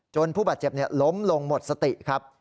จนผู้บาดเจ็บเนี่ยล้มลงหมดสติครับ